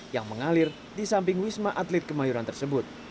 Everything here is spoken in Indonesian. yang mengalir di samping wisma atlet kemayoran tersebut